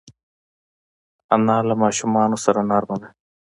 انا له ماشومانو سره نرمه ده